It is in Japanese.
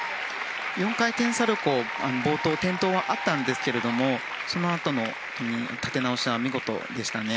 ４回転サルコウ冒頭、転倒はあったんですがそのあとの立て直しは見事でしたね。